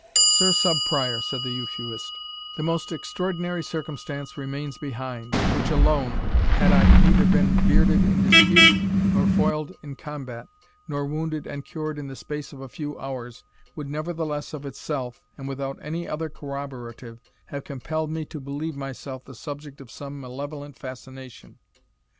"Sir Sub Prior," said the Euphuist, "the most extraordinary circumstance remains behind, which alone, had I neither been bearded in dispute, nor foiled in combat, nor wounded and cured in the space of a few hours, would nevertheless of itself, and without any other corroborative, have compelled me to believe myself the subject of some malevolent fascination.